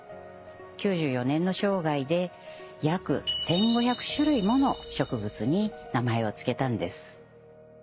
９４年の生涯で約１，５００種類もの植物に名前を付けたんです。